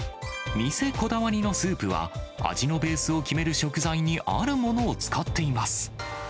店こだわりのスープは、味のベースを決める食材にあるものを使っています。